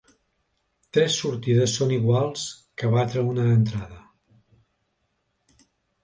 Tres sortides són iguals que batre una entrada.